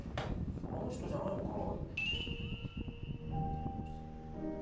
あの人じゃないのかな？